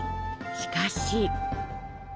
しかし。